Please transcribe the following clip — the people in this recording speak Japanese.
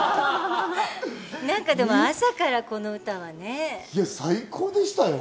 なんか、でも朝からこの歌は最高でしたよ。